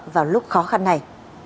vào lúc khó khăn này